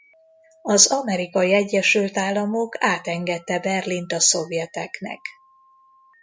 Az Amerikai Egyesült Államok átengedte Berlint a szovjeteknek.